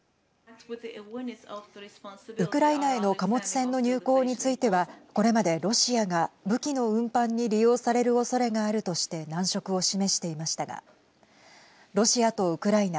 ウクライナへの貨物船の入港についてはこれまでロシアが武器の運搬に利用されるおそれがあるとして難色を示していましたがロシアとウクライナ